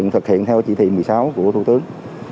thực hiện theo chỉ thị một mươi sáu của thủ tướng